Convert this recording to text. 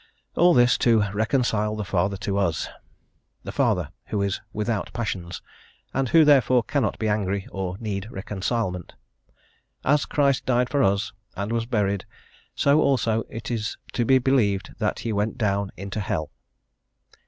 And all this "to reconcile the Father to us:" the Father who is "without passions," and who therefore cannot be angry or need reconcilement. "As Christ died for us, and was buried, so also it is to be believed that he went down into hell."